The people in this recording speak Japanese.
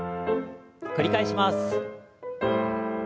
繰り返します。